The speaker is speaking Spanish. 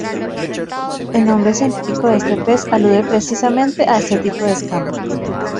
El nombre científico de este pez alude precisamente a este tipo de escama.